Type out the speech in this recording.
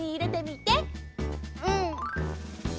うん。